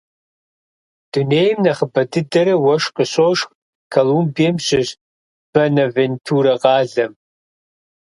Дунейм нэхъыбэ дыдэрэ уэшх къыщошх Колумбием щыщ Бэнавентурэ къалэм.